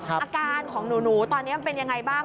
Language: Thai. อาการของหนูตอนนี้มันเป็นยังไงบ้าง